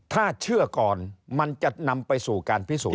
ถ้าเชื่อก่อนมันจะนำไปสู่การพิสูจน